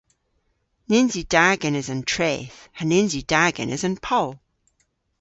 Nyns yw da genes an treth, ha nyns yw da genes an poll.